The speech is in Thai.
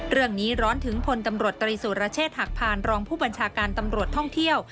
ร้อนถึงพลตำรวจตรีสุรเชษฐหักพานรองผู้บัญชาการตำรวจท่องเที่ยว